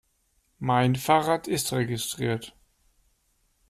Mein Fahrrad ist registriert.